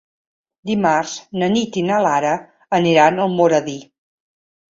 Dimarts na Nit i na Lara aniran a Almoradí.